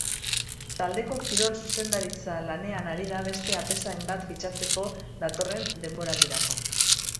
Taldeko kirol-zuzendaritza lanean ari da beste atezain bat fitxatzeko datorren denboraldirako.